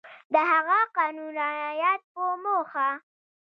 د هغه قانون رعایت په موخه